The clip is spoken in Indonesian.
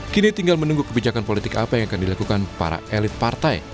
kini tinggal menunggu kebijakan politik apa yang akan dilakukan para elit partai